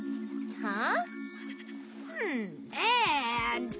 はあ？